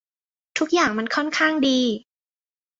ทุกอย่างมันค่อนข้างดี